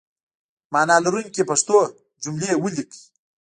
معنی لرونکي پښتو جملې ولیکئ!